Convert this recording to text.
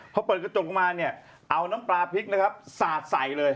พอเปิดกระจกออกมาเอาน้ำปลาพริกสาดใส่เลย